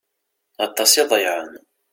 Aṭas i ḍeyyεen.